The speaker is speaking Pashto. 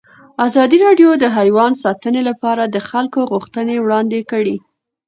ازادي راډیو د حیوان ساتنه لپاره د خلکو غوښتنې وړاندې کړي.